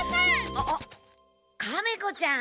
あっカメ子ちゃん。